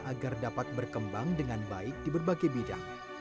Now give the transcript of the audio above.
agar dapat berkembang dengan baik di berbagai bidang